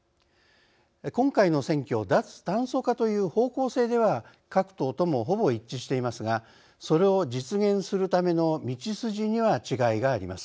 今回の選挙脱炭素化という方向性では各党ともほぼ一致していますがそれを実現するための道筋には違いがあります。